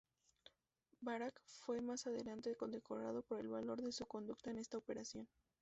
Barak fue más adelante condecorado por el valor de su conducta en esta operación.